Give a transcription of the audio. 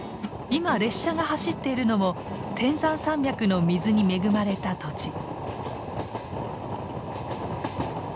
今列車が走ってるのも天山山脈の水に恵まれた土地。